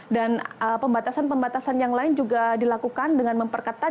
dan pembatasan pembatasan yang lain juga dilakukan dengan memperketat